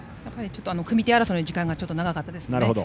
組み手争いの時間が長かったですね。